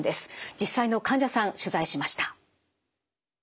実際の患者さん取材しました。